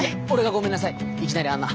いきなりあんな。